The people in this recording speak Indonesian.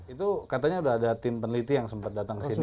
itu katanya sudah ada tim peneliti yang sempat datang ke sini